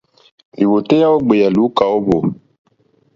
Lìwòtéyá ó gbèyà lùúkà ó hwò.